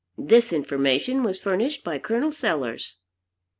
This information was furnished by Col. Sellers.